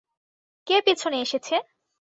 কে পেছনে এসেছে?